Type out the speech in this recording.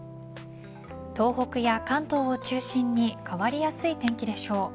東北や関東を中心に変わりやすい天気でしょう。